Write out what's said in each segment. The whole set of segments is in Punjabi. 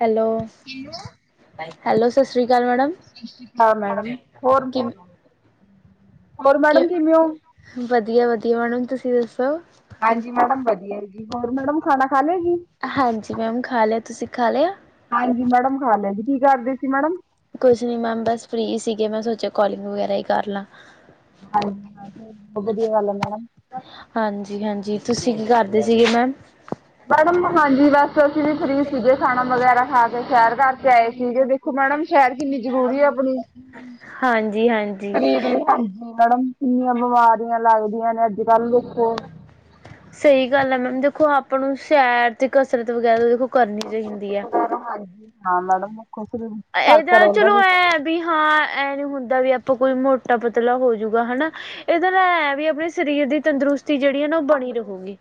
ਹੈਲੋ। ਸਤਿ ਹੈਲੋ, ਸਸ੍ਰੀ ਅਕਾਲ ਮੈਡਮ ਸ਼੍ਰੀ ਅਕਾਲ ਮੈਡਮ ਹੋਰ ਕਿਵੇਂ? ਹੋਰ ਮੈਡਮ ਕਿਵੇਂ ਹੋ? ਵਧੀਆ- ਵਧੀਆ ਮੈਡਮ ਤੁਸੀਂ ਦੱਸੋ? ਹਾਂਜੀ ਮੈਡਮ ਵਧੀਆ ਹੈ ਜੀ ਹੋਰ ਮੈਡਮ ਖਾਣਾ ਖਾ ਲਿਆ ਸੀ। ਹਾਂਜੀ ਮੈਮ ਖਾ ਲਿਆ, ਤੁਸੀਂ ਖਾ ਲਿਆ। ਹਾਂਜੀ ਮੈਡਮ ਖਾ ਲਿਆ ਕੀ ਕਰਦੇ ਸੀ ਮੈਡਮ। ਕੁਛ ਨੀ ਮੈਮ ਬਸ ਫਰੀ ਸੀਗੇ ਮੈਂ ਸੋਚਿਆ ਕੋਲਿੰਗ ਵਗੈਰਾ ਹੀ ਕਰ ਲਾਂ। ਹਾਂਜੀ ਹਾਂਜੀ, ਬਹੁਤ ਵਧੀਆ ਗੱਲ ਆ ਮੈਡਮ। ਹਾਂਜੀ -ਹਾਂਜੀ, ਤੁਸੀਂ ਕੀ ਕਰਦੇ ਸੀਗੇ ਮੈਮ। ਮੈਡਮ ਹਾਂਜੀ ਬਸ ਅਸੀਂ ਵੀ ਫ੍ਰੀ ਸੀਗੇੇ ਖਾਣਾ ਵਗੈਰਾ ਖਾ ਕੇ ਸ਼ਹਿਰ ਕਰਕੇ ਆਏ ਸੀਗੇ। ਦੇਖੋਂ ਮੈਡਮ ਸ਼ਐਰ ਕਿੰਨੀ ਜ਼ਰੂਰੀ ਹੈ ਆਪਣੀ [unintelligible] ਹਾਂਜੀ [unintelligible] ਹਾਂਜੀ। ਮੈਡਮ ਕਿੰਨੀਆਂ ਬਮਾਰੀਆਂ ਲਾਗਦੀਆਂ ਨੇ ਅੱਜ ਕੱਲ੍ਹ ਵੇਖੋਂ ਸਹੀ ਗੱਲ ਹੈ ਮੈਮ ਦੇਖੋਂ ਆਪਾਂ ਨੂੰ ਸ਼ੈਰ ਤੇ ਕਸਰਤ ਵਗੈਰਾ ਦੇਖੋਂ ਕਰਨੀ ਚਾਹੀਦੀ ਐ। ਹਾਂਜੀ ਹਾਂ ਮੈਡਮ [unintelligible] [unintelligible] ਏਦਾਂ ਏ ਰਹਿੰਦਾ ਚਲੋ ਸੀ ਐ ਵੀ ਹਾਂ ਇਹ ਨੀ ਹੁੰਦਾ ਵੀ ਆਪਾਂ ਕੋਈ ਮੋਟਾ ਪਤਲਾ ਹੋਜੂਗਾ ਹਨਾ। ਇਹਦੇ ਨਾ ਏ ਵੀ ਅਪਣੇ ਸਰੀਰ ਦੀ ਤੰਦਰੁਸ ਤੇ ਜਿਹੜੀ ਐ ਨਾ ਬਣੀ [unintelligible] ਰਹੂਗੀ।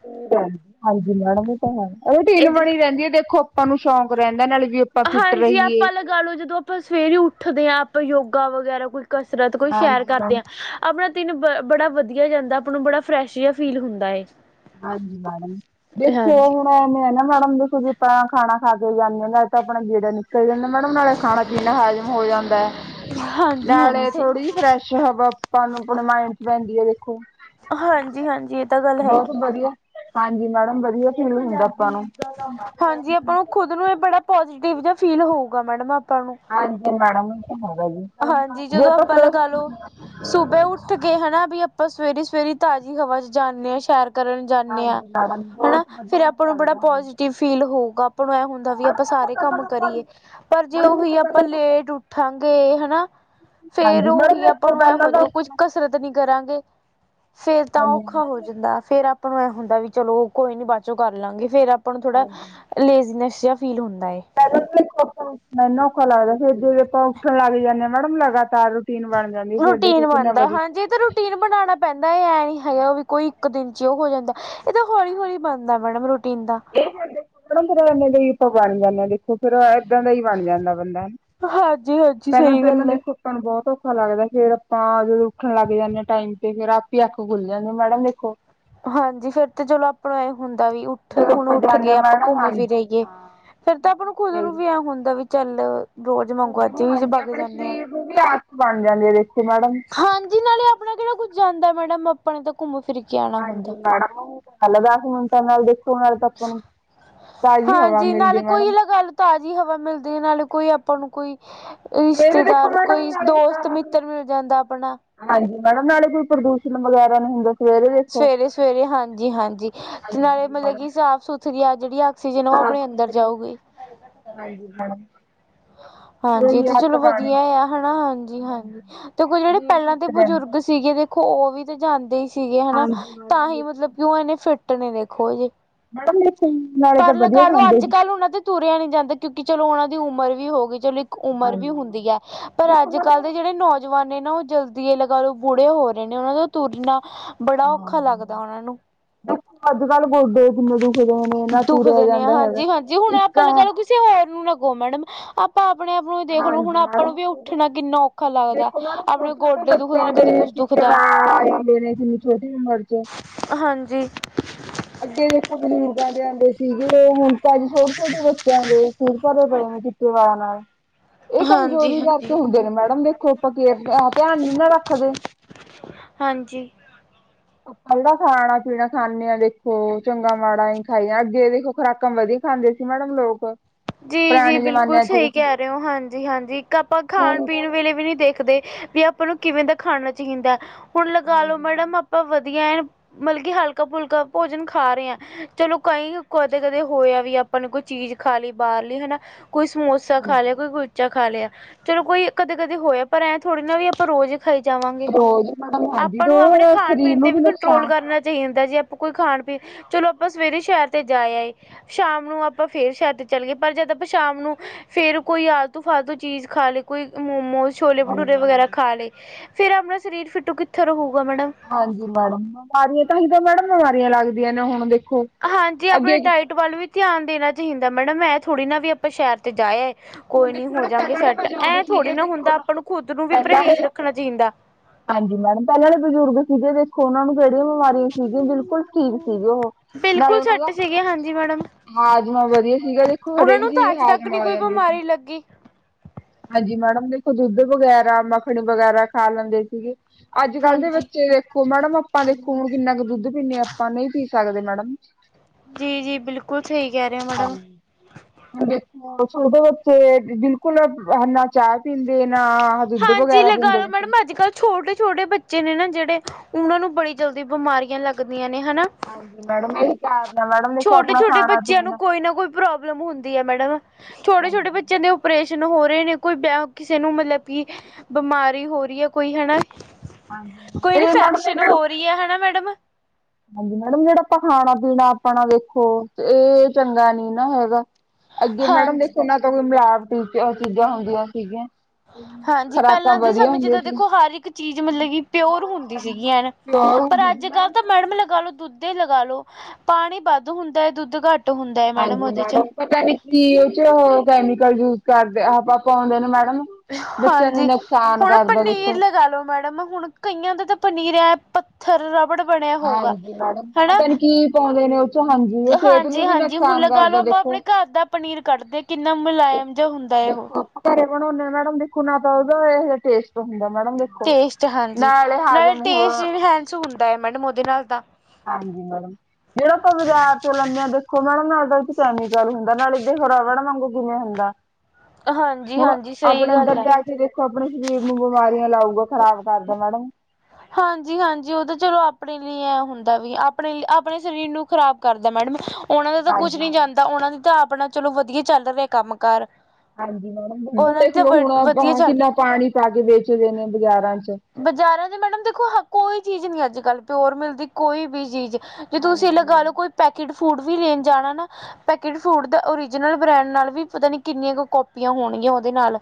ਹਾਂਜੀ ਮੈਡਮ ਇਹ ਤਾਂ ਹੈ ਰੁਟੀਨ ਇਹਦੇ ਬਣੀ ਰਹਿੰਦੀ ਹੈ ਦੇਖੋਂ। [unintelligible] ਤੁਹਾਨੂੰ ਸ਼ੌਕ ਰਹਿੰਦਾ ਨਾਲ਼ੇ ਵੀ ਆ ਹਾਂਜੀ ਆਪਾਂ ਲਗਾ ਲਓ ਜਦੋਂ ਆਪਾਂ ਸਵੇਰੇ ਉੱਠਦੇ ਆ ਆਪਾਂ ਯੋਗਾ ਵਗੈਰਾ ਕੋਈ ਕਸਰਤ ਕੋਈ ਸ਼ੈਰ ਹਾਂਜੀ ਕਰਦੇ ਮੈਡਮ ਆ ਅਪਣਾ ਤਿਨ ਬ ਬੜਾ ਵਧੀਆਂ ਜਾਂਦਾ ਆਪਾਂ ਨੂੰ ਬੜਾ ਫਰੈਸ਼ ਜਿਆ ਫੀਲ ਹੁੰਦਾ ਏ। ਹਾਂਜੀ ਮੈਡਮ ਦੇਖੋਂ [unintelligible] [unintelligible] ਹਾਂਜੀ। ਸਹੀ ਕਹੰਦੇ ਮੈਡਮ ਨਾਲੇ ਖਾਣਾ ਪੀਣਾ ਹਜ਼ਮ ਹੋ ਜਾਂਦਾ ਹਾਂਜੀ ਨਾਲ਼ੇ ਹਾਂਜੀ ਥੋੜ੍ਹੀ ਫਰੈਸ਼ ਹਵਾ ਅਪਾਂ ਨੂੰ ਅਪਣੇ ਮਾਇੰਡ ਚ ਪੈਂਦੀ ਏ ਦੇਖੋਂ ਹਾਂਜੀ ਹਾਂਜੀ ਇਹ ਤਾਂ ਗੱਲ ਹੈਗੀ। ਹਾਂਜੀ ਮੈਡਮ ਵਧੀਆਂ ਫੀਲ ਹੁੰਦਾ ਅਪਾਂ ਨੂੰ। ਹਾਂਜੀ ਆਪਾਂ ਨੂੰ ਖੁਦ ਨੂੰ ਇਹ ਬੜਾ ਪੋਜੀਟਿਵ ਜਿਆ ਫੀਲ ਹੋਊਗਾ ਮੈਡਮ ਆਪਾਂ ਨੂੰ ਹਾਂਜੀ ਮੈਡਮ ਇਹ ਤਾਂ ਹੈਗਾ ਜੀ। ਹਾਂਜੀ ਜਦੋਂ ਆਪਾਂ ਲਗਾ ਲੋ ਸੁਬੇ ਉੱਠਗੇ ਹਨਾ ਵੀ ਅ ਆਪਾਂ ਸਵੇਰੇ ਸਵੇਰੇ ਤਾਜ਼ੀ ਹਵਾ ਚ ਜਾਂਨੇ ਆ ਸ਼ੈਰ ਕਰਨ ਜਾਂਨੇ ਆ ਹਾਂਜੀ ਮੈਡਮ ਬਹੁਤ ਹਨਾ ਫ਼ੇਰ ਆਪਾਂ ਨੂੰ ਵਧੀਆ ਬੜਾ ਲੱਗਦਾ। ਪੋਜ਼ਟਿਵ ਫੀਲ ਹੋਊਗਾ। ਆਪਾਂ ਨੂੰ ਇਹ ਹੁੰਦਾ ਵੀ ਮੈਡਮ ਆਪਾਂ ਸਾਰੇ ਕੰਮ ਕਰੀਏ ਪਰ ਜੇ ਉਹੀ ਦੇਖੋ ਪਹਿਲਾਂ ਆਪਾਂ ਤਾਂ ਲੇਟ ਉੱਠਾਂਗੇ ਹਨ ਫ਼ੇਰ ਹਾਂਜੀ ਮੈਡਮ ਉਹੀ ਆਪਾਂ ਦੇਖੋ ਨੂੰ ਇਹ ਪਹਿਲਾਂ ਤਾਂ ਹੋਜੂਗਾ ਹਾਂਜੀ ਕੁੱਝ ਕ ਕਸਰਤ ਨੀ ਕਰਾਂਗੇ ਫ਼ੇਰ ਤਾਂ ਹਾਂਜੀ ਔਖਾ ਹੋ ਜਾਂਦਾ ਫ਼ੇਰ ਆਪ ਆਪਾਂ ਨੂੰ ਇਹ ਹੁੰਦਾ ਵੀ ਚਲੋ ਕੋਈ ਨੀ ਬਾਅਦ ਚੋਂ ਕਰ ਲਾਂਗੇ ਫ਼ੇਰ ਆਪਾਂ ਨੂੰ ਥੋੜ੍ਹਾ ਲੇਜ਼ੀਨੈਸ ਜਿਹਾ ਫੀਲ ਹੁੰਦਾ ਏ। ਪਹਿਲੇ ਔਖਾ ਲੱਗਦਾ ਫ਼ੇਰ ਜੇ ਆਪਾਂ ਉੱਠਣ ਲੱਗ ਜਾਂਨੇ ਆ ਮੈਡਮ ਲਗਾਤਾਰ ਰੁਟੀਨ ਬਣ ਜਾਂਦੀ ਐ ਫੇਰ ਦੇਖੋ ਕਿੰਨਾ ਵਧੀਆਂ ਰੁਟੀਨ ਬਨਾਣਾ ਪੈਂਦਾ ਐਂ ਨੀ ਹੈਗਾ ਉਹ ਵੀ ਕੋਈ ਇੱਕ ਦਿਨ ਚ ਹੀ ਉਹ ਹੋ ਜਾਂਦਾ ਇਹ ਤਾਂ ਹੌਲੀ ਹੌਲੀ ਬਨਦਾ ਮੈਡਮ ਰੁਟੀਨ ਦਾ ਦੇ ਫ਼ਿਰ ਇਨੇ ਦਾ ਹੀ ਆਪਾਂ ਬਣ ਜਾਂਦੇ ਹਾਂ ਦੇਖੋਂ ਫ਼ੇਰ ਏਦਾਂ ਦਾ ਈ ਬਣ ਜਾਂਦਾ ਬੰਦਾ ਹਨਾ [unintelligible] ਹਾਂਜੀ ਹਾਂਜੀ ਪਹਿਲਾਂ ਸਹੀ ਪਹਿਲਾਂ ਗੱਲ ਹੈ ਦੇਖੋਂ ਆਪਾਂ ਨੂੰ ਬੋਤ ਔਖਾ ਲੱਗਦਾ ਫ਼ੇਰ ਅਪਾਂ ਜਦੋਂ ਉੱਠਣ ਲੱਗ ਜਾਂਨੇ ਆ ਟਾਈਮ ਤੇ ਫ਼ੇਰ ਆਪ ਈ ਅੱਖ ਖੁੱਲ ਜਾਂਦੀ ਮੈਡਮ ਦੇਖੋਂ ਹਾਂਜੀ ਫ਼ੇਰ ਤੇ ਚਲੋ ਆਪਣਾ ਇਹ ਹੁੰਦਾ ਵੀ ੳ ਉੱਠ ਹੁਣ ਉੱਠਗੇ ਅਪਾਂ ਘੁੰਮ ਫ਼ਿਰ ਆਈਏ ਫ਼ੇਰ ਤਾਂ ਆਪਾਂ ਨੂੰ ਖੁਦ ਨੂੰ ਵੀ ਐ ਹੁੰਦਾ ਵੀ ਚੱਲ ਰੋਜ਼ ਵਾਂਗੂ ਅੱਜ ਵੀ ਜੇ ਬਗ ਜਾਂਨੇ ਆ‌। ਫ਼ੇਰ ਉਹਦੀ ਆਦਤ ਬਨ ਜਾਂਦੀ ਐ ਦੇਖੋਂ ਮੈਡਮ ਹਾਂਜੀ ਨਾਲ਼ੇ ਆਪਣਾ ਕੇਹੜਾ ਕੁੱਝ ਜਾਂਦਾ ਮੈਡਮ ਤਾਂਈ ਤਾਂ ਘੁੰਮ ਫ਼ਿਰ ਕੇ ਆ ਹਾਂਜੀ ਮੈਡਮ ਪੰਜ ਦਸ ਮਿੰਟਾਂ ਨਾਲ਼ ਜੇ [unintelligible] ਤੇ ਨਾਲ਼ੇ ਤਾਂ ਆਪਾਂ ਨੂੰ ਤਾਜ਼ੀ ਹਵਾ ਹਾਂਜੀ ਨਾਲੇ ਮਿਲ਼ਦੀ ਕੋਈ ਮੈਡਮ ਲਗਾ ਲੋ ਤਾਜ਼ੀ ਹਵਾ ਮਿਲਦੀ ਨਾਲੇ ਕੋਈ ਆਪਾਂ ਨੂੰ ਕੋਈ ਰਿਸ਼ਤੇਦਾਰ ਕੋਈ, ਦੋਸਤ ਮਿੱਤਰ ਮਿਲ ਜਾਂਦਾ ਆਪਣਾ ਹਾਂਜੀ ਮੈਡਮ, ਨਾਲੇ ਕੋਈ ਪ੍ਰਦੂਸ਼ਣ ਵਗੈਰਾ ਨੀ ਹੁੰਦੇ ਸਵੇਰੇ- ਸਵੇਰੇ ਹਾਂਜੀ -ਹਾਂਜੀ, ਤੇ ਨਾਲੇ ਮਤਲਬ ਕਿ ਸਾਫ ਸੁਥਰੀਆਂ ਆ ਜੇੜੀਆਂ ਸਾਫ- ਸੁਥਰੀ, ਹਾਂਜੀ -ਮੈਡਮ ਹਾਂਜੀ ਤੇ ਚਲੋ ਵਧੀਆ ਐ ਹਨਾ ਹਾਂਜੀ- ਹਾਂਜੀ ਦੇਖੋ ਜੇੜੇ ਪਹਿਲਾਂ ਦੇ ਬਜ਼ੁਰਗ ਸੀਗੇ ਦੇਖੋ ਉਹ ਵੀ ਤਾਂ ਜਾਂਦੇ ਸੀਗੇ ਹਨਾ, ਤਾਂ ਹੀ ਮਤਲਬ ਕਿ ਉਹ ਇੰਨੇ ਫਿੱਟ ਨੇ ਦੇਖੋ ਹਜੇ ਮੈਡਮ ਯੇ ਖੂਨ, ਨਾਲੇ ਤਾਂ ਵਧੀਆ ਖਾਂਦੇ ਅੱਜ ਕੱਲ੍ਹ ਉਹਨਾਂ ਤੇ ਤੁਰਿਆ ਨੀ ਜਾਂਦਾ, ਕਿਉਂਕਿ ਚਲੋ ਉਹਨਾਂ ਦੀ ਉਮਰ ਵੀ ਹੋ ਗਈ ਚਲੋ ਇੱਕ ਉਮਰ ਵੀ ਹੁੰਦੀ ਐ, ਪਰ ਅੱਜ-ਕੱਲ ਦੇ ਜਿਹੜੇ ਨੌਜਵਾਨ ਨੇ ਨਾ ਉਹ ਜਲਦੀ ਇਹ ਲਗਾ ਲਓ ਬੂੜੇ ਹੋ ਰਹੇ ਨੇ ਉਹਨਾਂ ਦਾ ਤੁਰਨਾ ਬੜਾ ਔਖਾ ਲੱਗਦਾ ਉਹਨਾਂ ਨੂੰ ਦੇਖੋ ਅੱਜ-ਕੱਲ ਗੋਡੇ ਕਿੰਨੇ ਦੁਖਦੇ ਨੇ, ਨਾ ਤੁਰਿਆ ਜਾਂਦਾ ਹੈਗਾ, ਇੱਕ ਐ ਚਲੋ ਕਿਸੇ ਹੋਰ ਨੂੰ ਨਾ ਕਹੋ ਮੈਡਮ ਆਪਾਂ ਆਪਣੇ ਆਪ ਨੂੰ ਦੇਖ ਲਓ ਹਾਂਜੀ ਹੁਣ ਆਪਾਂ ਨੂੰ ਮੈਡਮ, ਵੀ ਉੱਠਣਾ ਕਿੰਨਾ ਔਖਾ ਲੱਗਦਾ ਦੇਖੋ ਮੈਡਮ ਆਪਣੇ ਛੋਟੇ -ਛੋਟੇ ਗੋਡੇ ਦੁਖਦੇ ਨੇ ਬੱਚੇ ਕਦੇ ਦੀ ਕੁਛ ਚਿਕ ਤੇ ਦੁਖਦਾ ਹਾਂ ਕਿੰਨੀ ਛੋਟੀ ਉਮਰ 'ਚ ਹਾਂਜੀ ਅੱਗੇ ਦੇਖੋ ਬਜ਼ੁਰਗਾਂ ਦੇ ਆਉਂਦੇ ਸੀਗੇ, ਮੈਂ ਹੁਣ ਤਾਂ ਅ ਛੋਟੇ- ਛੋਟੇ ਬ ਬੱਚਿਆਂ ਦੇ ਸਿਰ ਭਰੇ ਪਏ ਨੇ ਚਿੱਟੇ ਵਾਲਾਂ ਨਾਲ ਇਹ ਹਾਂਜੀ ਕਮਜ਼ੋਰੀ ਹਾਂਜੀ ਕਰਕੇ ਹੁੰਦੇ ਨੇ, ਮੈਡਮ ਦੇਖੋ ਆਪਾਂ ਕੇਅਰ ਧਿਆਨ ਨੀ ਨਾ ਰੱਖਦੇ। ਹਾਂਜੀ ਆਪਾਂ ਜਿਹੜਾ ਖਾਣਾ ਪੀਣਾ ਖਾਂਦੇ ਆਂ ਦੇਖੋ, ਚੰਗਾ ਮਾੜਾ ਈ ਖਾਈਏ, ਅੱਗੇ ਦੇਖੋ ਖੁਰਾਕਾਂ ਵਧੀ ਖਾਂਦੇ ਸੀ ਮੈਡਮ ਲੋਕ ਜੀ- ਜੀ ਪੁਰਾਣੇ ਬਿਲਕੁਲ ਜ਼ਮਾਨਿਆਂ ਚ ਸਹੀ ਦੇਖੋ ਕਹਿ ਰਹੇ ਓ, ਹਾਂਜੀ- ਹਾਂਜੀ ਇੱਕ ਆਪਾਂ ਖਾਣ -ਪੀਣ ਵੇਲੇ ਵੀ ਨਹੀਂ ਦੇਖਦੇ। ਵੀ ਆਪਾਂ ਨੂੰ ਕਿਵੇਂ ਦਾ ਖਾਣਾ ਚਾਂਹੀਦਾ, ਹੁਣ ਲਗਾ ਲੋ ਮੈਡਮ ਆਪਾਂ ਵਧੀਆ ਐ ਬਲਕਿ ਹਲਕਾ- ਫੁਲਕਾ ਭੋਜਨ ਖਾ ਰਹੇ ਆਂ ਚਲੋ ਕੌਈ, ਕਦੇ- ਕਦੇ ਹੋਇਆ ਵੀ ਆਪਾਂ ਨੇ ਕੋਈ ਚੀਜ਼ ਖਾ ਲਈ ਬਾਹਰਲੀ ਹਨਾ, ਕੋਈ ਸਮੋਸਾ ਖਾ ਲਿਆ ਕੋਈ ਕੁਛ ਕੁਲਚਾ ਖਾ ਲਿਆ, ਚਲੋ ਕੋਈ ਕਦੇ-ਕਦੇ ਹੋਇਆ, ਪਰ ਐ ਥੋੜ੍ਹੀ ਨਾ ਵੀ ਆਪਾਂ ਰੋਜ਼ ਖਾਈ ਜਾਵਾਂਗੇ, ਰੋਜ਼ ਮੈਡਮ ਹਾਂਜੀ ਆਪਾਂ ਨੂੰ ਰੋਜ਼ ਆਪਣੇ ਖਾਣ ਸਰੀਰ ਪੀਣ ਨੂੰ ਤੇ ਵੀ ਕੰਟਰੋਲ ਨੁਕਸਾਨ ਕਰਨਾ ਚਾਈਦਾ ਜੇ ਕੋਈ ਖਾਣ ਪੀਣ, ਚਲੋ ਆਪਾਂ ਸਵੇਰੇ ਸ਼ੈਰ ਤੇ ਜਾ ਆਏ, ਸ਼ਾਮ ਨੂੰ ਆਪਾਂ ਫੇਰ ਸ਼ੈਡ ਚੱਲ ਗਏ, ਪਰ ਜਦ ਆਪਾਂ ਸ਼ਾਮ ਨੂੰ ਫਿਰ ਕੋਈ ਆਲਤੂ- ਫਾਲਤੂ ਚੀਜ਼ ਖਾ ਲਏ ਕੋਈ ਮੋਮੋਸ ਛੋਲੇ ਭਟੂਰੇ ਵਗੈਰਾ ਖਾ ਲਏ, ਫਿਰ ਆਪਣਾ ਸਰੀਰ ਫਿੱਟੋ ਕਿੱਥੋਂ ਰਹੂਗਾ ਮੈਡਮ ਹਾਂਜੀ ਮੈਡਮ, ਬਿਮਾਰੀਆਂ ਤਾਂਹੀ ਤਾਂ ਮੈਡਮ ਬਿਮਾਰੀਆਂ ਲੱਗਦੀਆਂ ਨੇ ਹੁਣ ਦੇਖੋ ਹਾਂਜੀ ਆਪਣੇ ਅੱਗੇ ਡਾਇਟ ਵੱਲ ਵੀ ਧਿਆਨ ਦੇਣਾ ਚਾਈਦਾ ਮੈਡਮ, ਐੰ ਥੋੜ੍ਹੀ ਨਾ ਵੀ ਆਪਾਂ ਸ਼ਹਿਰ ਤੇ ਜਾ ਆਏ ਕੋਈ ਨੀ ਹੋ ਜਾਂਗੇ ਸੈੱਟ, ਐੰ ਥੋੜ੍ਹੀ ਨਾ ਹੁੰਦਾ ਆਪਾਂ ਨੂੰ ਖੁੱਦ ਨੂੰ ਵੀ ਪਰਹੇਜ਼ ਰੱਖਣਾ ਚਾਹੀਦਾ। ਹਾਂਜੀ ਮੈਡਮ ਪੈਲਾਂ ਦੇ ਬਜ਼ੁਰਗ ਸੀਗੇ ਦੇਖੋ ਉਹਨਾਂ ਨੂੰ ਕਿਹੜੀਆਂ ਬਿਮਾਰੀਆਂ ਸੀਗੀਆਂ ਬਿਲਕੁਲ ਠੀਕ ਸੀਗੇ ਉਹ ਨਾਲੇ ਬਿਲਕੁਲ ਉਹਨਾਂ ਦਾ ਸੈਟ ਸੀਗੇ ਹਾਂਜੀ ਮੈਡਮ ਹਾਜ਼ਮਾ ਵਧੀਆ ਸੀਗਾ ਦੇਖੋ ਉਹਨਾਂ ਹਰੇਕ ਨੂੰ ਤਾਂ ਚੀਜ਼ ਅੱਜ ਤੱਕ ਹਾਜ਼ਮਾ ਨੀ ਹੋ ਕੋਈ ਜਾਂਦੀ ਸੀ ਬਿਮਾਰੀ ਲੱਗੀ। ਹਾਂਜੀ ਮੈਡਮ ਦੇਖੋ ਦੁੱਧ ਬਗੈਰਾ, ਮੱਖਣੀ ਬਗੈਰਾ ਖਾ ਲੈਂਦੇ ਸੀਗੇ। ਅੱਜ- ਕੱਲ ਦੇ ਹਾਂਜੀ ਬੱਚੇ ਦੇਖੋ ਮੈਡਮ ਆਪਾਂ ਦੇਖੋ, ਹੁਣ ਕਿੰਨਾ ਕੁ ਦੁੱਧ ਪੀਂਦੇ, ਆਪਾਂ ਨਹੀਂ ਪੀ ਸਕਦੇ ਮੈਡਮ ਜੀ- ਜੀ ਬਿਲਕੁਲ ਸਹੀ ਕਹਿ ਰਹੇ ਓ ਮੈਡਮ ਦੇਖੋ, ਛੋਟੇ ਬੱਚੇ ਬਿਲਕੁਲ ਨ ਨਟ ਚਾਹ ਪੀਂਦੇ ਨਾ, ਦੁੱਧ ਵਗੈਰਾ ਪੀਂਦੇ ਨੇ। ਛੋਟੇ-ਛੋਟੇ ਬੱਚੇ ਨੇ ਨਾ ਜਿਹੜੇ ਉਹਨਾਂ ਨੂੰ ਬੜੀ ਜਲਦੀ ਬਿਮਾਰੀਆਂ ਲੱਗਦੀਆਂ ਨੇ ਹਨਾ। ਹਾਂਜੀ ਮੈਡਮ ਇਹੀ ਕਾਰਨ ਹੈ ਮੈਡਮ ਦੇਖੋ ਆਪਣਾ ਛੋਟੇ-ਛੋਟੇ ਖਾਣਾ ਬੱਚਿਆਂ ਨੂੰ ਪੀਣਾ ਕੋਈ ਨਾ ਕੋਈ ਪ੍ਰੋਬਲਮ ਹੁੰਦੀਐ ਮੈਡਮ। ਹਾਂਜੀ ਛੋਟੇ-ਛੋਟੇ ਬੱ ਤੇ ਦੇ ਓਪਰੇਸ਼ਨ ਹੋ ਰਹੇ ਨੇ, ਕੋਈ ਪਿਆ ਕਿਸੇ ਨੂੰ ਮਤਲਬ ਕਿ ਬਿਮਾਰੀ ਹੋ ਰਹੀ ਐ, ਕੋਈ ਹਨਾ ਕੋਈ ਇਨਫੈਕਸ਼ਨ ਹੋ ਰਹੀ ਐ ਹੈਨਾ ਮੈਡਮ। ਹਾਂਜੀ ਮੈਡਮ ਜਿਹੜਾ ਆਪਾਂ ਖਾਣਾ-ਪੀਣਾ ਆਪਣਾ ਵੇਖੋ, ਇਹ ਚੰਗਾ ਨੀ ਨਾ ਹੈਗਾ। ਅੱਗੇ ਮੈਡਮ ਹਾਂਜੀ ਦੇਖੋ ਨਾਂ ਤਾ ਕੋਈ ਮਿਲਾਵਟੀ ਚ ਚੀਜ਼ਾਂ ਹੁੰਦੀਆਂ ਸੀਗੀਆਂ ਹਾਂਜੀ ਖੁਰਾਕਾਂ ਪਹਿਲਾਂ ਦੇ ਵਧੀਆ ਸਮੇਂ ਚ ਹੁੰਦੀਆਂ ਤਾਂ ਸੀ ਦੇਖੋ ਹਰ ਇੱਕ ਚੀਜ਼ ਮਤਲਬ ਕੀ ਪਿਓਰ ਹੁੰਦੀ ਸੀਗੀ ਐਨ। ਪਿਓਰ ਪਰ ਹੁੰਦੀ ਸੀ ਅੱਜ-ਕਲ ਤਾਂ ਮੈਡਮ ਲਗਾ ਲੋ ਦੁੱਧ ਏ ਲਗਾ ਲੋ, ਪਾਣੀ ਵੱਧ ਹੁੰਦੈ, ਦੁੱਧ ਘੱਟ ਹੁੰਦਾ ਹੈ ਹਾਂਜੀ, ਉਹਦੇ ਚ ਮੈਡਮ ਪਤਾ ਨੀ ਕੀ ਉਹ ਚ ਕੈਮੀਕਲ ਯੂਜ ਕਰਦੇ ਆ ਨਾ ਪਾਉਂਦੇ ਨੇ ਮੈਡਮ ਬੱਚਿਆਂ ਨੂੰ ਹਾਂਜੀ। ਨੁਕਸਾਨ ਹੁਣ ਕਰਦਾ ਪਨੀਰ ਦੇਖੋ ਲਗਾ ਲੋ ਮੈਡਮ, ਹੁਣ ਕਈਆਂ ਦਾ ਤਾਂ ਪਨੀਰ ਐ ਪੱ ਥਰ ਰਬੜ ਬਣਿਆ ਹੋਊਗਾ ਹਾਂਜੀ ਮੈਡਮ ਹਨਾ ਪਤਾ ਨੀ ਕੀ ਪਾਉਂਦੇ ਨੇ ਉਹ ਚੋਂ ਹਾਂਜੀ, ਉ ਹਾਂਜੀ-ਹਾਂਜੀ। ਹੁਣ ਲਗਾ ਲਓ ਆਪਾਂ ਆਪਣੇ ਘਰ ਦਾ ਪਨੀਰ ਕੱਢਦੇ ਆ, ਕਿੰਨਾ ਮੁਲਾਇਮ ਜਾ ਹੁੰਦਾ ਐ ਉਹ। ਘਰੇ ਬਣਾਉਂਣੇ ਆ ਮੈਡਮ ਦੇਖੋ ਨਾ ਤਾਂ ਉਹਦਾ ਇਹੋ ਜਾ ਟੇਸਟ ਹੁੰਦਾ ਮੈਡਮ ਦੇ ਟੇਸਟ ਹਾਂਜੀ, ਨਾਲੇ ਟੇਸਟ ਇਨਹੈਂਸ ਹੁੰਦਾ ਐ ਮੈਡਮ ਉਹਦੇ ਨਾਲ ਤਾਂ ਹਾਂਜੀ ਮੈਡਮ। ਜਿਹੜਾ ਆਪਾਂ ਬਾਜ਼ਾਰ ਚੋਂ ਲੈਂਣੇ ਆ ਦੇਖੋ ਮੈਡਮ ਨਾਲੇ ਤਾਂ ਉਹ ਚ ਕੈਮੀਕਲ ਹੁੰਦਾ, ਨਾਲੇ ਦੇਖੋ ਰਬੜ ਵਾਗੂ ਕਿਵੇਂ ਹੁੰਦਾ। ਹਾਂਜੀ ਹੁਣ ਹਾਂਜੀ ਸਹੀ ਆਪਣੇ ਅੰਦਰ ਗੱਲ ਜਾ ਹੈ ਫਿਰ ਦੇਖੋ ਆਪਣੇ ਸਰੀਰ ਨੂੰ ਬਿਮਾਰੀਆਂ ਲਾਊਗਾ, ਖ਼ਰਾਬ ਕਰਦਾ ਮੈਡਮ। ਹਾਂਜੀ-ਹਾਂਜੀ। ਉਹ ਤਾਂ ਚਲੋ ਆਪਣੇ ਲਈ ਐ ਹੁੰਦਾ, ਵੀ ਆਪਣੇ ਈ ਆਪਣੇ ਸਰੀਰ ਨੂੰ ਖ਼ਰਾਬ ਕਰਦਾ ਮੈਡਮ। ਉਹਨਾਂ ਦਾ ਤਾਂ ਕੁਛ ਹਾਂਜੀ ਨੀ ਮੈਮ ਜਾਂਦਾ, ਉਹਨਾਂ ਦਾ ਤਾ ਆਪਣਾ ਚਲੋ ਵਧੀਆ ਚੱਲ ਰਿਹਾ ਕੰਮ-ਕਾਰ। ਹਾਂਜੀ ਮੈਡਮ, ਦੁੱਧ ਦੇਖਲੋ ਹੁਣ ਚੱਲ ਕਿੰਨਾ ਪਾਣੀ ਪਾ ਕੇ ਵੇਚਦੇ ਨੇ ਬਾਜ਼ਾਰਾਂ ਚ। ਬਜ਼ਾਰਾਂ ਚ ਮੈਡਮ ਦੇਖੋ ਹ ਕੋਈ ਚੀਜ਼ ਨੀ ਅੱਜ-ਕੱਲ ਪਿਓਰ ਮਿਲਦੀ, ਕੋਈ ਵੀ ਚੀਜ਼ ਜੇ ਤੁਸੀਂ ਲਗਾ ਲਓ ਕੋਈ ਪੈਕਿਡ ਫੂਡ ਵੀ ਲੈਣ ਜਾਣਾ ਨਾ ਪੈਕਿਟ ਫੂਡ ਦਾ ਓਰੀਜਨਲ ਬ੍ਰਾਂਡ ਨਾਲ ਵੀ ਪਤਾ ਨੀ ਕਿੰਨੀਆਂ ਕੁ ਕਾਪੀਆਂ ਹੋਣਗੀਆਂ ਉਹਦੇ ਨਾਲ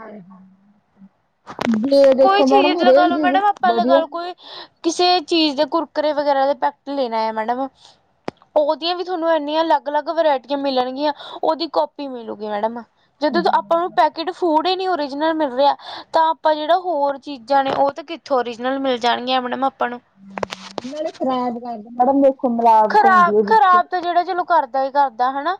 ਹਾਂਜੀ। ਜੇ ਕੋਈ ਦੇਖੋ ਮੈਡਮ ਚੀਜ਼ ਲਗਾ ਹਰੇਕ ਲਓ ਦੇ ਮੈਡਮ ਆਪਾ ਲਗਾਲੋ ਕੋਈ ਕਿਸੇ ਚੀਜ਼ ਦੇ ਕੁਰਕਰੇ ਵਗੈਰਾ ਦੇ ਪੈਕਟ ਲੈਣਾ ਐ ਮੈਡਮ [inaudible] ਉਹਦੀਆਂ ਵੀ ਥੋਨੂੰ ਇੰਨੀਆਂ ਅਲੱਗ-ਅਲੱਗ ਵਰਾਇਟੀਆਂ ਮਿਲਣਗੀਆਂ, ਉਹਦੀ ਕੋਪੀ ਮਿਲੂਗੀ ਮੈਡਮ। ਜਦੋਂ ਤੋਂ ਆਪਾਂ ਨੂੰ ਪੈਕੇਟ ਫੂਡ ਈ ਨੀ ਓਰੀਜਨਲ ਮਿਲ ਰਿਹਾ ਤਾਂ ਆਪਾਂ ਜਿਹੜਾ ਹੋਰ ਚੀਜ਼ਾਂ ਨੇ ਉਹ ਤਾਂ ਕਿੱਥੋਂ ਓਰੀਜਨਲ ਮਿਲ ਜਾਣਗੀਆਂ ਮੈਡਮ ਆਪਾਂ ਨੂੰ। ਨਾਲੇ ਕਿਰਾਇਆ ਵੀ ਲੱਗਦਾ ਮੈਡਮ ਦੇ ਖ਼ਰਾਬ-ਖ਼ਰਾਬ ਤਾਂ ਜਿਹੜਾ ਚਲੋ ਕਰਦਾ ਏ ਕਰਦਾ ਹਨਾ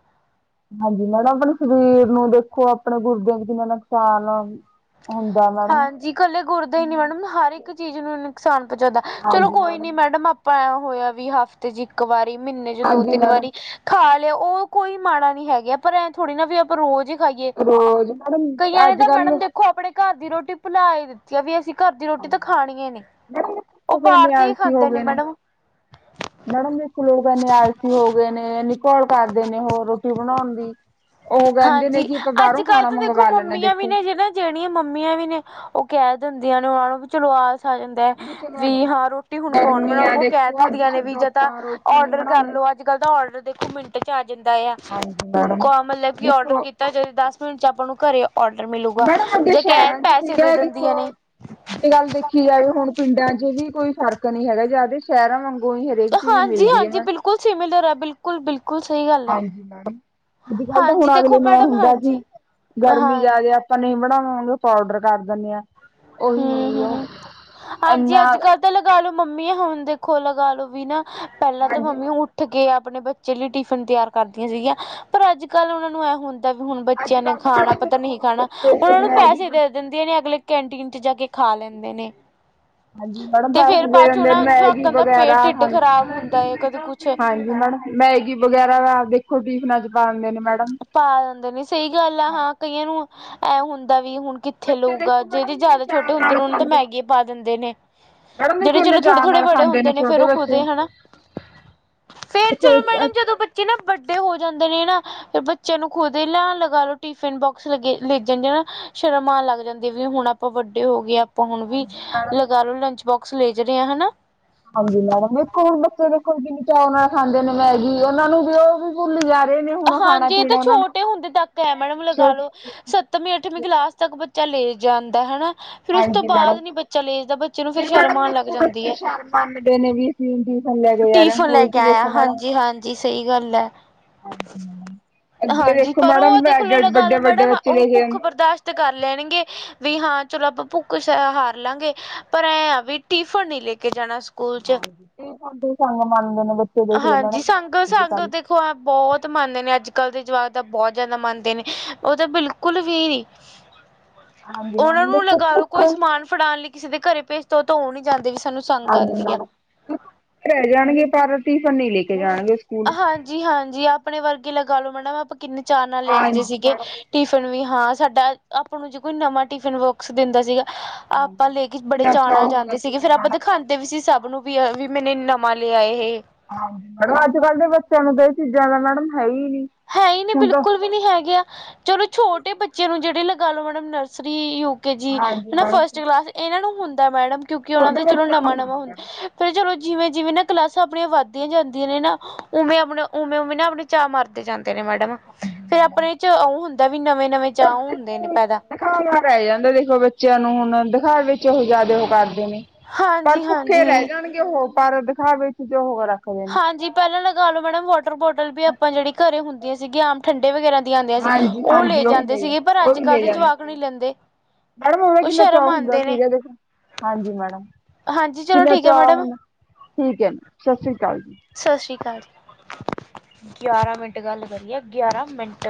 ਹਾਂਜੀ ਮੈਡਮ ਆਪਣੇ ਸਰੀਰ ਨੂੰ ਦੇਖੋ ਆਪਣੇ ਗੁਰਦਿਆਂ ਚ ਕਿੰਨਾ ਨੁਕ [unintelligible] ਹਾਂਜੀ, ਕੱਲੇ ਗੁਰਦਾ ਈ ਨੀ ਮੈਡਮ ਹਰ ਇੱਕ ਚੀਜ਼ ਨੂੰ ਨੁਕਸਾਨ ਪਹੁੰਚਾਉਂਦਾ, ਚਲੋ ਕੋਈ ਨੀ ਮੈਡਮ ਆ ਆਪਾ ਹੋਇਆ ਵੀ ਹਫ਼ਤੇ ਚ ਇੱਕ ਵਾਰੀ, ਮਹੀਨੇ ਚ ਹਾਂਜੀ ਦੋ-ਤਿੰਨ ਮੈਡਮ ਵਾਰੀ ਖਾ ਲਿਆ ਉਹ ਕੋਈ ਮਾੜਾ ਨੀ ਹੈਗਾ ਪਰ ਐਂ ਥੋੜ੍ਹੀ ਨਾ ਵੀ ਆਪ ਪਾ ਰੋਜ਼ ਈ ਖਾਈਏ। ਰੋਜ਼ ਮੈਡਮ ਕਈਆਂ ਨੇ ਅੱਜ ਤਾਂ ਕੱਲ ਮੈਡਮ ਦੇਖੋ ਆਪਣੇ ਘਰ ਦੀ ਰੋਟੀ ਭੁਲਾ ਏ ਦਿੱ ਤੀ ਆ ਵੀ ਅਸੀਂ ਘਰ ਦੀ ਰੋਟੀ ਤਾਂ ਖਾਣੀ ਈ ਨੀ, ਮੈਡਮ ਉਹ ਲੋਕ ਬਾਹਰ ਇੰਨੇ ਦੀ ਈ ਆਲਸੀ ਹੋ ਖਾਂਦੇ ਨੇ ਗਏ ਮੈਡਮ। [inaudible] ਮੈਡਮ ਇੱਕ ਲੋਕ ਇੰਨੇ ਆਲਸੀ ਹੋ ਗਏ ਨੇ, ਇੰਨੀ ਘੋਲ ਕਰਦੇ ਨੇ ਹੋਰ ਰੋਟੀ ਬਣਾਉਣ ਦੀ‌। ਉਹ ਕਹਿੰਦੇ ਨੇ ਹਾਂਜੀ ਕਿ ਆਪਾਂ ਬਾਹਰੋਂ ਖਾਣਾ ਮੰਗਵਾ ਲੈਂਣੇ ਆ ਦੇਖੋ। ਜੇੜੀਆਂ ਮੰਮੀਆਂ ਵੀ ਨੇ ਓ ਕੈ ਦੇਂਦੀਆਂ ਨੇ ਓਨਾ ਨੂੰ ਵੀ ਚਲੋ [unintelligible] ਦੇ ਵੀ ਹਾਂ ਰੋਟੀ ਹੁਣ ਕੌਣ ਬਣਾਊ ਓ ਕੈ ਦੇਂਦੀਆਂ ਨੇ ਵੀ ਜਾ ਤਾਂ ਔਡਰ ਕਰਲੋ ਅੱਜ ਕੱਲ ਤਾਂ ਔਡਰ ਦੇਖੋ ਮਿੰਟ ਚ ਆ ਜਾਂਦਾ ਆ ਕਾਲ ਮਤਲਬ ਕਿ ਔਡਰ ਕੀਤਾ ਜ ਦਸ ਮਿੰਟ ਚ ਆਪਾਂ ਨੂੰ ਘਰੇ ਔਡਰ ਮਿਲੂਗਾ ਜੇ ਕੈਸ਼ ਪੈਸੇ ਦੇ ਦਿੰਦੀਆਂ ਨੇ। ਜੇ ਗੱਲ ਦੇਖੀ ਜਾਵੇ ਹੁਣ ਪਿੰਡਾਂ 'ਚ ਵੀ ਕੋਈ ਫਰਕ ਨੀ ਹੈਗਾ ਜੇ ਆਪਦੇ ਸ਼ੈਰਾਂ ਵਾਂਗ ਹਾਂਜੀ-ਹਾਂਜੀ ਬਿਲਕੁਲ ਸਿਮਿਲਰ ਐ, ਬਿਲਕੁਲ ਬਿਲਕੁ ਹਾਂਜੀ ਮੈਡਮ, ਅੱਜ-ਕੱਲ ਤਾਂ ਹਾਂਜੀ ਹੁਣ ਅਗਲੇ ਦੇਖੋ ਨੂੰ ਆਏ ਮੈਡਮ ਹੁੰਦਾ ਕੀ ਹਾਂਜੀ ਗਰਮੀ ਹਾਂ ਜ਼ਿਆਦੇ ਆਪਾਂ ਨਈ ਬਣਾਵਾਂਗੇ ਆਪਾ ਔਡਰ ਕਰ ਦੇਨੇ ਆ। ਹੂੰ, ਹੂੰ, ਹੂੰ, ਹਾਂਜੀ ਅੱਜ ਕੱਲ ਤਾਂ ਲਗਾ ਲੋ ਮੰਮੀ ਹੁਨ ਦੇਖੋ ਲਗਾ ਲੋ ਵੀ ਨਾ ਪੈਲਾਂ ਤਾਂ ਮੰਮੀ ਊ ਉੱਠ ਕੇ ਆਪਨੇ ਬੱਚੇ ਲਈ ਟਿਫਿਨ ਤਿਆਰ ਕਰਦੀਆਂ ਸੀਗੀਆਂ, ਪਰ ਅੱਜ-ਕੱਲ ਓਨਾਂ ਨੂੰ ਐ ਹੂੰ ਦਾ ਵੀ ਹੁਨ ਬੱਚੇਆਂ ਨੇ ਖਾਣਾ ਪਤਾ ਨਹੀਂ ਖਾਣਾ, ਓਨਾਂ ਨੂੰ ਪੈਸੇ ਦੇ ਦਿੰਦੀਆਂ ਨੇ ਅਗਲੇ ਕੈਂਟੀਨ 'ਚ ਜਾ ਕੇ ਖਾ ਲੈਂਦੇ ਨੇ। ਹਾਂਜੀ ਮੈਡਮ ਤੇ ਦੱਸ ਫੇਰ ਦੇ ਬਾਅਦ ਚ ਦਿੰਦੇ, ਉਹਨਾਂ ਮੈਗੀ ਜਵਾਕਾਂ ਦਾ ਵਗੈਰਾ ਪੇਟ [unintelligible] ਢਿੱਡ ਹਾਂਜੀ ਖ਼ਰਾਬ ਹੁੰਦਾ ਹੈ ਕਦੇ ਕੁਛ ਮੈਡਮ। ਮੈਗੀ ਵਗੈਰਾ ਆਪ ਦੇਖੋ ਟੀਫਨਾਂ 'ਚ ਪਾ ਦੇਂਦੇ ਨੇ ਮੈਡਮ। ਪਾ ਦੇਂ ਦੇ ਨੇ ਸਈ ਗੱਲ ਆ, ਹਾਂ ਕਈਆਂ ਨੂੰ ਐ ਹੁੰਦਾ ਵੀ ਹੁਣ ਕਿੱਥੇ ਲਊਗਾ ਜੇੜੇ ਜਾਦਾ ਛੋਟੇ ਹੁੰਦੇ ਨੇ, ਓਨਾਂ ਨੂੰ ਤੇ ਮੈਗੀ ਪਾ ਦੇਂ ਦੇ ਨੇ। ਮੈਡਮ ਜੇੜੇ ਦੇਖੋ ਇੰਨੇ ਚਲੋ ਚਾਅ ਥੋੜੇ-ਥੋੜੇ ਨਾਲ ਬੜੇ ਖਾਂਦੇ ਹੁੰਦੇ ਨੇ, ਫੇਰ ਛੋਟੇ ਓ ਬੱਚੇ ਖੁਦੇ ਹਨਾ ਫੇਰ ਚਲੋ ਦੇਖੋ ਮੈਡਮ ਜਦੋਂ ਬੱਚੇ ਨਾ ਵੱਡੇ ਹੋ ਜਾਂਦੇ ਨੇ ਨਾ ਫਿਰ ਬੱਚੇਆਂ ਨੂੰ ਖੁਦ ਈ ਲਿਆਨ ਲਗਾ ਲੋਂ ਟਿਫਿਨ ਬੋਕਸ ਲੱਗੇ [unintelligible] ਸ਼ਰਮ ਆਨ ਲੱਗ ਜਾਂਦੀ, ਵੀ ਹੁਨ ਆਪਾਂ ਵੱਡੇ ਹੋ ਗੇ ਆਂ। ਆਪਾਂ ਹੁਣ ਵੀ ਲਗਾ ਲੋ ਲੰਚ ਬੋਕਸ ਲੈ ਜ਼ ਰੇ ਆਂ ਹਨਾ। ਹਾਂਜੀ ਮੈਡਮ ਇੱਕ ਓ ਹੁਣ ਬੱਚੇ ਦੇਖੋ ਕਿੰਨੀ ਚਾਓ ਨਾਲ ਖਾਂਦੇ ਨੇ ਮੈਗੀ, ਓਨਾਂ ਨੂੰ ਵੀ ਓ ਵੀ ਭੁੱਲ [unintelligible] ਖਾਣਾ ਹਾਂਜੀ ਏ ਤਾਂ ਪੀਣਾ ਉਹਨਾਂ ਨੂੰ ਛੋਟੇ ਹੁੰਦੇ ਤੱਕ ਐ, ਮੈਡਮ ਲਗਾ ਲੋ ਸ ਸੱਤਵੀਂ-ਅੱਠਵੀਂ ਕਲਾਸ ਤੱਕ ਬੱਚਾ ਲੇ ਜਾਂਦਾ ਹਨਾ। ਫੇਰ ਉਸ ਬਾਦ ਨੀ ਬੱਚਾ ਲੇ ਜਾਂਦਾ, ਬੱਚੇ ਨੂੰ ਫੇਰ ਫਿਰ ਸ਼ਰਮ ਮੈਡਮ ਆਣ ਲੱਗ ਦੇਖੋ ਜਾਂਦੀ ਐ। ਬੱਚੇ ਸ਼ਰਮ ਮੰਨਦੇ ਨੇ ਵੀ ਅਸੀਂ ਟਿਊਸ਼ਨ ਲੈ ਕੇ ਜਾ ਰਹੇ ਟਿਫਨ ਲੈ ਸਕੂਲ ਕੇ ਚ ਆਇਆ, ਦੇਖੋ ਮੈਡਮ ਹਾਂਜੀ-ਹਾਂਜੀ ਸਈ ਗੱਲ ਐ। ਅੱਗੇ ਹਾਂਜੀ ਦੇਖੋ ਪਰ ਮੈਡਮ ਓ ਦੇਖੋ ਲਗਾ ਲੋ ਵੱਡੇ ਵੱਡੇ ਮੈਡਮ ਬੱਚੇ ਓ ਲੈ ਕੇ ਭੁੱਖ ਬਰਦਾਸ਼ਤ ਕਰ ਲੈਣਗੇ ਵੀ ਹਾਂ ਚਲੋ, ਆਪਾਂ ਭੁੱਖ ਹਾਰ ਲਾਂਗੇ ਪਰ ਐਂ ਆ ਵੀ ਟਿਫਨ ਨੀ ਲੇ ਕੇ ਜਾਣਾ ਸ ਹਾਂਜੀ ਟਿਫਨ ਤੇ ਸੰਗ ਮੰਨਦੇ ਨੇ ਬਚ ਹਾਂਜੀ ਸੰਗ-ਸੰਗ ਦੇ ਖੋ ਬੋਤ ਮੰਨਦੇ ਨੇ ਅੱਜ-ਕੱਲ੍ਹ ਦੇ ਜਵਾਕ ਦਾ ਬੋਤ ਜਾਦਾ ਮੰਨਦੇ ਨੇ ਓ ਤੇ ਬਿਲਕੁਲ ਵੀ ਨੀ। [inaudible] ਓਨਾਂ ਮੈਡਮ ਨੂੰ ਦੇਖੋ ਲਗਾ ਲੋ, ਭੁੱਖ ਕੋਈ ਸਮਾਨ ਫੜਾਣ ਲਈ ਕਿਸੇ ਦੇ ਘਰੇ ਭੇਜ ਦੋ, ਤਾਂ ਓ ਨੀ ਜਾਂਦੇ ਕਿ ਹਾਂਜੀ ਮੈਡਮ, ਭੁੱਖੇ ਰੈ ਜਾਣਗੇ ਪਰ ਟਿਫਨ ਨੀ ਲੈ ਕੇ ਜਾਣਗੇ ਸਕੂਲ। ਜੀ ਹਾਂਜੀ ਆਪਣੇ ਵਰਗੇ ਲਗਾਲੋ ਮੈਡਮ ਆਪਾਂ ਕਿੰਨੇ ਚਾਅ ਨਾਲ ਲੇਜਦੇ ਸੀਗੇ ਟੀਫ ਨ ਵੀ ਹਾਂ ਸਾਡਾ ਆਪਾਂ ਨੂੰ ਜੇ ਕੋਈ ਨਵਾਂ ਟਿਫਿਨ ਬੋਕਸ ਦਿੰਦਾ ਸੀਗਾ ਆਪਾਂ ਲੈ ਕੇ ਬੜੇ ਚਾਅ ਨਾਲ ਜਾਂਦੇ ਸੀਗੇ ਫੇਰ ਆਪਾਂ ਦਿਖਾਂਦੇ ਵੀ ਸੀ ਸਭ ਨੂੰ। ਵੀ-ਵੀ ਮੈਨੇ ਨਵਾਂ ਲੇਆ ਏਹ ਹਾਂਜੀ ਮੈਡਮ ਅੱਜ-ਕੱਲ ਦੇ ਬੱਚੇਆਂ ਨੂੰ ਤਾਂ ਏ ਚੀਜ਼ਾਂ ਦਾ ਹੈ ਈ ਨੀ। ਹੈ ਈ ਨੀ ਬਿਲਕੁਲ ਵੀ ਨੀ ਹੈਗੇ, ਆ ਚੱਲੋ ਛੋਟੇ ਬੱਚੇਆਂ ਨੂੰ ਜੇੜੇ ਲਗਾ ਲੋ madam nursery U K G ਹਨਾ ਫਸਟ ਕਲਾਸ ਏਨਾਂ ਨੂੰ ਹੁੰਦਾ ਮੈਡਮ, ਕਿਉਂਕਿ ਓਨਾਂ ਦਾ ਚੱਲੋ ਨਵਾਂ ਨਵਾਂ ਹੁੰਦੈ ਫਿਰ ਚਲੋ ਜਿਵੇਂ-ਜਿਵੇਂ ਨਾ ਕਲਾਸਾਂ ਆਪਣੀਆਂ ਵੱਧਦੀਆਂ ਜਾਂਦੀਆਂ ਨੇ ਨਾ, ਉਵੇਂ ਆਪਣੇ ਉਵੇਂ-ਉਵੇਂ ਨਾ ਆਪਣੇ ਚਾ ਮਰਦੇ ਦੇ ਜਾਂਦੇ ਨੇ ਮੈਡਮ ਫੇਰ ਆਪਣੇ 'ਚ ਓ ਹੁੰਦਾ ਵੀ ਨਵੇਂ-ਨਵੇਂ ਚਾਅ ਹੁੰਦੇ ਨੇ ਪੈਦਾ। ਦੇਖਾਵੇਆ ਚ ਲਿਆਈ ਜਾਂਦੇ ਦੇਖੋ ਬੱਚੇਆਂ ਨੂੰ ਹੁਣ ਓ ਦਿਖਾਵੇ ਵਿੱਚ ਓ ਜ਼ਾਦਾ ਓ ਕਰਦੇ ਨੇ ਪਰ ਹਾਂਜੀ ਭੁੱਖੇ ਰੈ ਹਾਂਜੀ ਜਾਣਗੇ ਉਹ, ਪਰ ਦਿਖਾਵੇ ਚ ਜੋ ਹੋ ਰੱਖ ਹਾਂਜੀ ਪੇਲਾਂ ਲਗਾ ਲਓ, ਮੈਡਮ ਵਾਟਰ ਬੋਟਲ ਵੀ ਆਪਾਂ ਜੇੜੀ ਘਰੇ ਹੁੰਦੀ ਸੀਗੀ ਆਮ ਠੰਡੇ ਵਗੈਰਾ ਦੀਆਂ ਆਂਦੀਆਂ ਸੀ, ਉਹ ਲੈ ਜਾਂਦੇ ਸੀਗੇ, ਪਰ ਅੱਜ ਕੱਲ੍ਹ ਦੇ ਜਵਾਕ ਨਈ ਲੇਂਦੇ। ਮੈਡਮ ਓਦਾ ਕਿੰਨਾ ਚਾਅ ਹੁੰਦਾ ਸੀਗਾ ਦੇਖੋ, ਹਾਂਜੀ ਮੈਡਮ, ਹਾਂਜੀ ਚਲੋ ਕਿੰਨਾ ਠੀਕ ਹੈ ਚਾਅ ਮੈਡਮ ਹੁੰਦਾ ਠੀਕ ਐ ਜੀ ਸਸਰੀ ਅਕਾਲ ਜੀ। ਸਸਰੀ ਅਕਾਲ, ਗਿਆਰਾਂ ਮਿੰਟ ਗੱਲ ਕਰੀਏ ਗਿਆਰਾਂ ਮਿੰਟ।